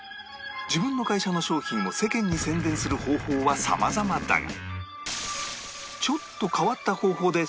自分の会社の商品を世間に宣伝する方法は様々だが